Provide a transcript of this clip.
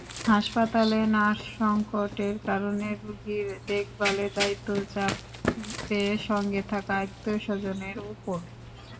হাসপাতালে নার্স–সংকটের কারণে রোগীর দেখভালের দায়িত্ব চাপে সঙ্গে থাকা আত্মীয়স্বজনের ওপর।